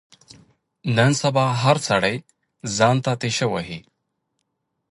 نن سبا هر سړی ځان ته تېشه وهي.